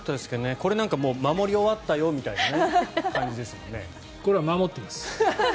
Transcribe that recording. これ、なんか守り終わったよみたいなこれは守ってます。